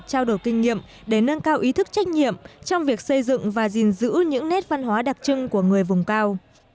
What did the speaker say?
trao đổi kinh nghiệm để nâng cao ý thức trách nhiệm trong việc xây dựng và gìn giữ những nét văn hóa đặc trưng của người vùng cao